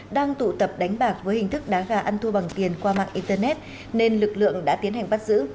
đang tụ tập đánh bạc với hình thức đá gà ăn thua bằng tiền qua mạng internet nên lực lượng đã tiến hành bắt giữ